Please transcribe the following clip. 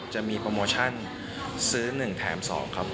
จะมีโปรโมชั่นซื้อ๑แถม๒ครับ